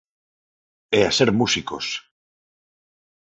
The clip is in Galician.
E a ser músicos.